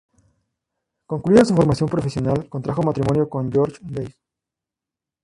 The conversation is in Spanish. Concluida su formación profesional, contrajo matrimonio con Roger Gage.